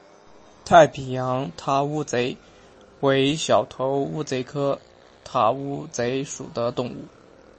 太平洋塔乌贼为小头乌贼科塔乌贼属的动物。